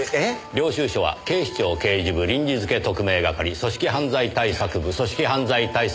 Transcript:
領収書は「警視庁刑事部臨時付特命係組織犯罪対策部組織犯罪対策